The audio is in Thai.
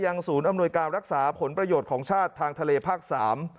ศูนย์อำนวยการรักษาผลประโยชน์ของชาติทางทะเลภาคสาม